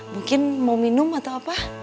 mungkin mau minum atau apa